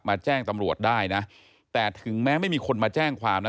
แจ้งตำรวจได้นะแต่ถึงแม้ไม่มีคนมาแจ้งความนะ